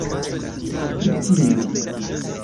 Pri kiu?